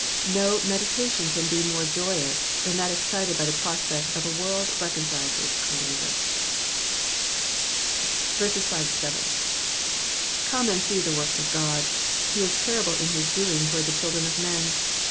No meditation can be more joyous than that excited by the prospect of a world reconciled to its Creator. 5 Come and see the works of God : Ae is terrible in his doing toward the children of men.